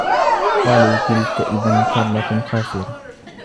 قالوا تلك إذا كرة خاسرة